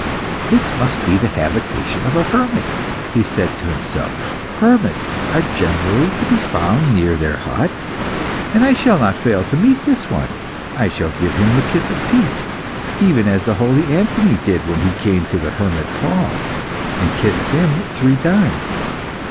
"This must be the habitation of a hermit," he said to himself. "Hermits are generally to be found near their hut, and I shall not fail to meet this one. I will give him the kiss of peace, even as the holy Anthony did when he came to the hermit Paul, and kissed him three times.